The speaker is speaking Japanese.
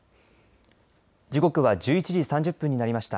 時刻は１１時３０分になりました。